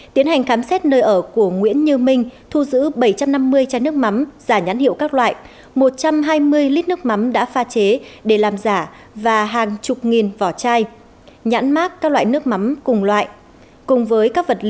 tiến hành khám xét nơi ở của nguyễn như minh thu giữ bảy trăm năm mươi chai nước mắm giả nhãn hiệu chinsu nam ngư loại chai năm trăm linh ml